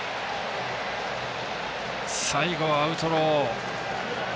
最後はアウトロー。